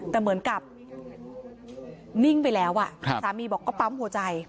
แต่เหมือนกับนิ่งไปแล้วสามีบอกก็ปั๊มหัวใจ